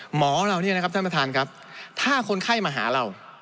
หมอเราเนี่ยนะครับท่านประธานครับถ้าคนไข้มาหาเรา